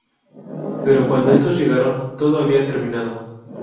Pero cuando estos llegaron, todo había terminado.